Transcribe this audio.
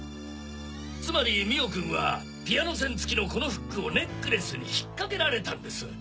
つまり美緒君はピアノ線付きのこのフックをネックレスに引っ掛けられたんです。